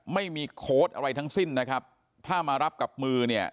โค้ดอะไรทั้งสิ้นนะครับถ้ามารับกับมือเนี่ย